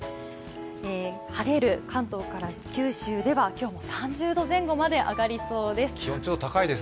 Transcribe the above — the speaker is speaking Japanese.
晴れる関東から九州では今日も３０度前後まで上がりそうです。